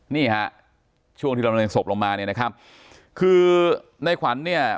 นี่ฮะช่วงที่ลำเนินศพลงมาเนี่ยนะครับคือในขวัญเนี่ย